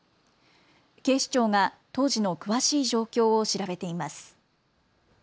警視庁が当時の詳しい状況を調べています。